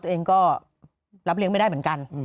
ตัวเองก็รับเลี้ยงไม่ได้เหมือนกัน